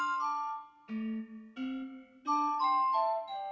ini mbak mbak ketinggalan